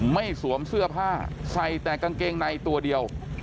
สวมเสื้อผ้าใส่แต่กางเกงในตัวเดียว